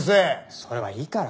それはいいから。